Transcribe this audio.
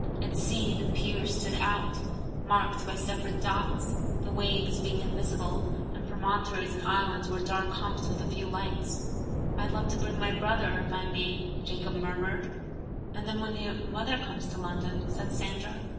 At sea the piers stood out, marked by separate dots; the waves being invisible, and promontories and islands were dark humps with a few lights. "I'd love to bring my brother, if I may," Jacob murmured. "And then when your mother comes to London ," said Sandra.